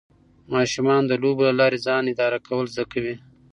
ماشومان د لوبو له لارې ځان اداره کول زده کوي.